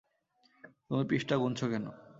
তুমি পৃষ্ঠা গুনছ কেন?